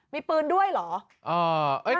มีปืนด้วยเหรอ